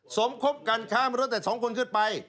สมคบกันข้ามรถแต่๒คนขึ้นไป